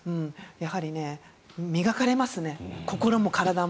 やはり磨かれますね、心も体も。